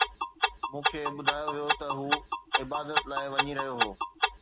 مون کي ٻڌايو ويو ته هو عبادت لاءِ وڃي رهيو هو